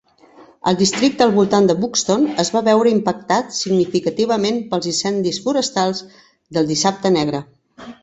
El districte al voltant de Buxton es va veure impactat significativament pels incendis forestals del Dissabte Negre.